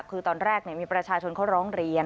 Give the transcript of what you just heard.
คือตอนแรกมีประชาชนเขาร้องเรียน